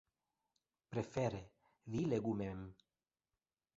Prefere, vi legu mem.